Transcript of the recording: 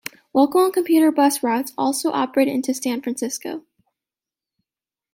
Local and commuter bus routes also operate into San Francisco.